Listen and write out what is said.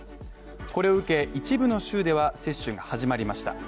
これを受け、一部の州では接種が始まりました。